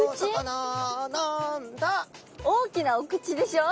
大きなお口でしょ？